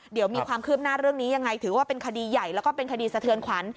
เดี๋ยวมีความคืบหน้าเรื่องนี้ยังไงถือว่าเป็นคดีใหญ่แล้วก็เป็นคดีสะเทือนขวัญ